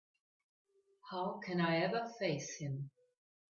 How can I ever face him?